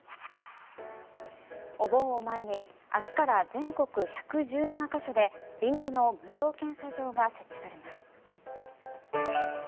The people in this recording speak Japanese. お盆を前に明日から全国１１７か所で臨時の無料検査場が設置されます。